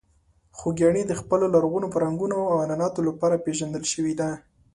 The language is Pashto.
خوږیاڼي د خپلو لرغونو فرهنګونو او عنعناتو لپاره پېژندل شوې ده.